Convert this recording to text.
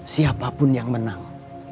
siapapun yang menang